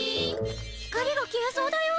光が消えそうだよ。